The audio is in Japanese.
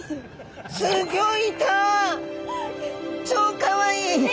超かわいい！